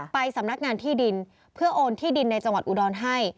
ไปสำนักงานที่ดินเพื่อโอนที่ดินในจังหวัดอุดรให้